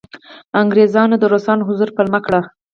انګریزانو د روسانو حضور پلمه کړ.